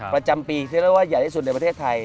ประจำปีที่เรียกว่าใหญ่ที่สุดในประเทศไทย